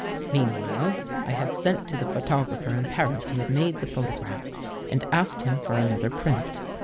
Meanwhile I had sent to the photographer in Paris who had made the photograph and asked him for another print.